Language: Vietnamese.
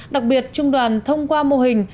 đặc biệt trung đoàn thông qua mô hình